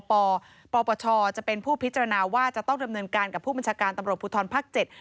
ปปชจะเป็นผู้พิจารณาว่าจะต้องดำเนินการกับผู้บัญชาการตำรวจภูทรภาค๗